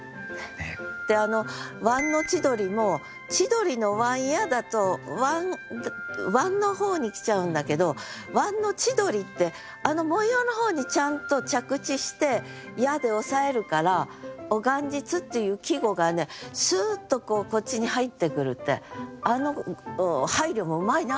であの「椀の千鳥」も「千鳥の椀や」だと「椀」のほうに来ちゃうんだけど「椀の千鳥」ってあの模様のほうにちゃんと着地して「や」で抑えるから「お元日」っていう季語がねスッとこうこっちに入ってくるってあの配慮もうまいなと思いましたね。